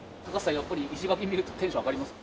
やっぱり石垣見るとテンション上がりますか？